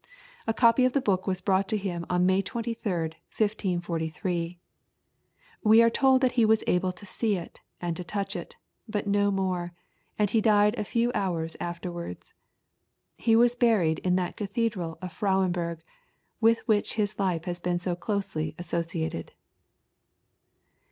A copy of the book was brought to him on May 23, 1543. We are told that he was able to see it and to touch it, but no more, and he died a few hours afterwards. He was buried in that Cathedral of Frauenburg, with which his life had been so closely associated.